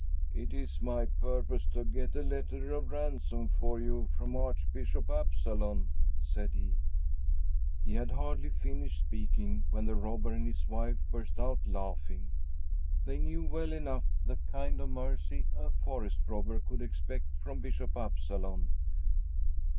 "It is my purpose to get a letter of ransom for you from Archbishop Absalon," said he. He had hardly finished speaking when the robber and his wife burst out laughing. They knew well enough the kind of mercy a forest robber could expect from Bishop Absalon!